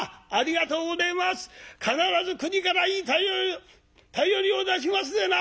必ず国からいい便りを出しますでな！